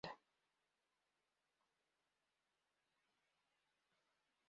Otras secciones eran "Más difícil todavía", "Pasaporte del humor" o "Adiós con música".